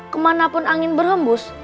kemanapun angin berhembus